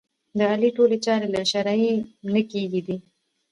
د علي ټولې چارې له شرعې نه کېږي دي.